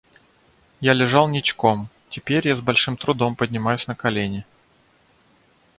Я лежал ничком, теперь я с большим трудом поднимаюсь на колени.